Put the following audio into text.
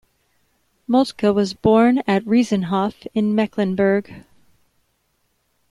Moltke was born at Riesenhof in Mecklenburg.